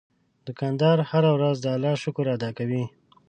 دوکاندار هره ورځ د الله شکر ادا کوي.